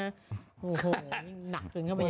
โอ้โฮนี่หนักขึ้นเข้าไป